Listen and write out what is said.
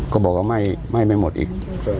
ก็บอกว่าไม่หมดอีก